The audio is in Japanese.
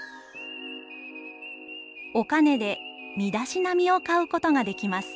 「お金で身だしなみを買うことができます。